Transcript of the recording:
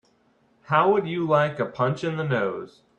How would you like a punch in the nose?